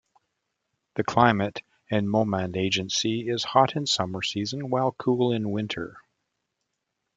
The climate in Mohmand agency is hot in summer season while cool in winter.